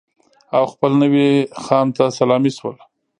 او خپل نوي خان ته سلامي شول.